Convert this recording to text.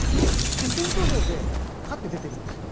決選投票で勝って出てるんです。